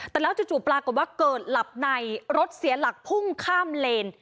แต่แล้วจู่ปรากฏว่าเกิดหลับในรถเสียหลักพุ่งข้ามเลน